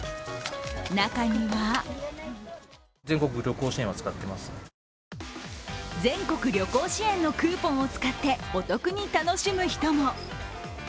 中には全国旅行支援のクーポンを使ってお得に楽しむ人も。